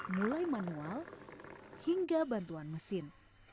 mulai manual hingga bantuan mesin